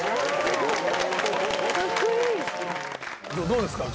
どうですか？